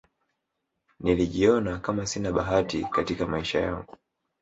nilijiona Kama sina bahati Katika maisha yangu